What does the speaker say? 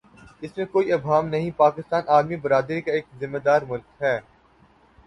اس میں کوئی ابہام نہیں پاکستان عالمی برادری کا ایک ذمہ دارملک ہے۔